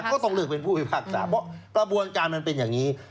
ก็ต้องเลือกเป็นผู้พิพากษาเพราะกระบวนการมันเป็นอย่างนี้